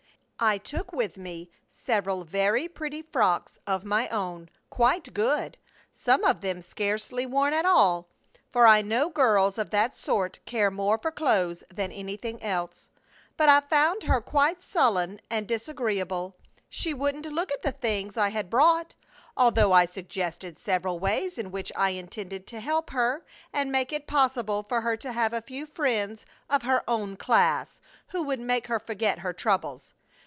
I took with me several very pretty frocks of my own, quite good, some of them scarcely worn at all, for I know girls of that sort care more for clothes than anything else. But I found her quite sullen and disagreeable. She wouldn't look at the things I had brought, although I suggested several ways in which I intended to help her and make it possible for her to have a few friends of her own class who would make her forget her troubles.